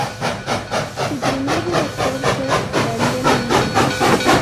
Su primer Director fue Daniel Muñoz.